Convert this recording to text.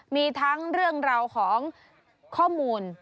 มีทั้งเรื่องราวของข้อมูล